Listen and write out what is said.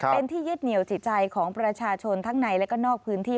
เป็นที่ยึดเหนียวจิตใจของประชาชนทั้งในและก็นอกพื้นที่